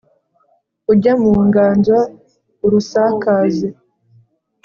ujye mu nganzo urusakaze